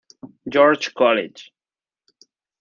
George College.